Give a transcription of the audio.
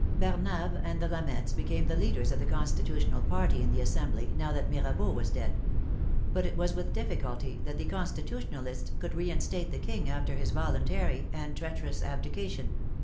Barnave and the Lameths became the leaders of the Constitutional party in the Assembly, now that Mirabeau was dead. But it was with difficulty that the Constitutionalists could rein state the King after his voluntary and treacherous abdica tion.